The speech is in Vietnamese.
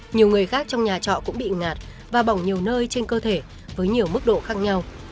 nhiều người khác trong nhà trọ cũng bị ngạt và bỏng nhiều nơi trên cơ thể với nhiều mức độ khác nhau